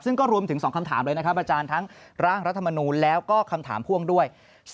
ซึ่งก็รวมถึง๒คำถามเลยนะครับอาจารย์ทั้งร่างรัฐมนูลแล้วก็คำถามพ่วงด้วย